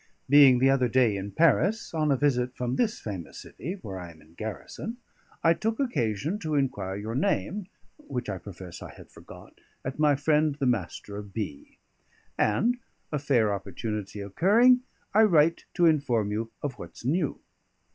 Being the other day in Paris, on a visit from this famous city, where I am in garrison, I took occasion to inquire your name (which I profess I had forgot) at my friend, the Master of B.; and, a fair opportunity occurring, I write to inform you of what's new.